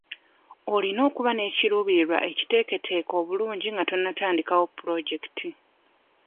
Olina okuba n'ekiruubirirwa ekiteeketeeke obulungi nga tonnatandikawo pulojekiti.